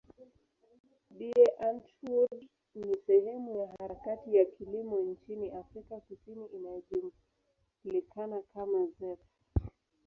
Die Antwoord ni sehemu ya harakati ya kilimo nchini Afrika Kusini inayojulikana kama zef.